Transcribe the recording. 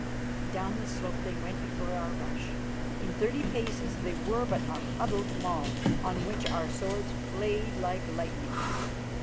_" Down the slope they went before our rush. In thirty paces they were but a huddled mob, on which our swords played like lightnings.